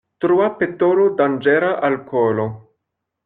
Troa petolo danĝera al kolo.